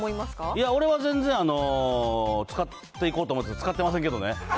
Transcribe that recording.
いや、俺は全然、使っていこうと思って、使ってませんけどね